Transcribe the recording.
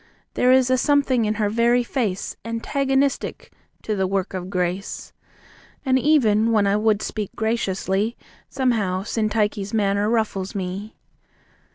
There is a something in her very face Antagonistic to the work of grace. And even when I would speak graciously Somehow, Syntyche's manner ruffles me.